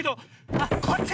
あっこっち？